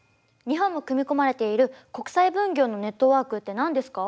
日本も組み込まれている国際分業のネットワークって何ですか？